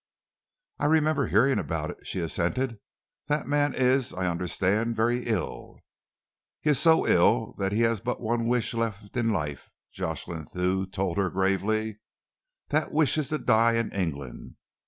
"I remember hearing about it," she assented. "The man is, I understand, very ill." "He is so ill that he has but one wish left in life," Jocelyn Thew told her gravely. "That wish is to die in England.